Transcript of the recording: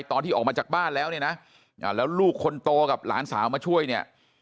ตอนที่ออกมาจากบ้านแล้วเนี่ยนะแล้วลูกคนโตกับหลานสาวมาช่วยเนี่ย